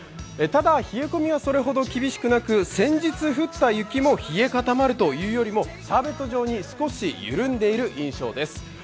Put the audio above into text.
ただ、冷え込みはそれほど厳しくなく先日降った雪も冷え固まるというよりも、シャーベット状に少し緩んでるという印象です。